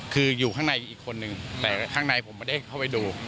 คืออยู่ข้างในอีกคนนึงแต่ข้างในผมไม่ได้เข้าไปดู